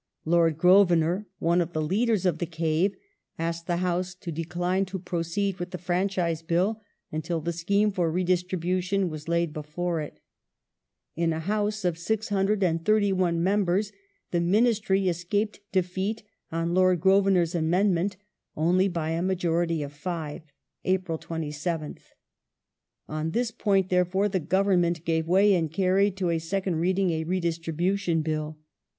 Lord Grosvenor, one of the leaders of the "Cave," asked the House to decline to proceed with the franchise Bill until the scheme for redistribution was laid before it In a House of 631 members the Ministiy escaped defeat on Lord Grosvenor 's amendment only by a majority of five (April 27th). On this point, therefore, the Government gave way and carried to a second reading a redistribution Bill.